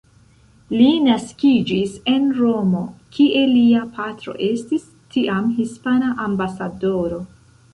Li naskiĝis en Romo, kie lia patro estis tiam hispana ambasadoro.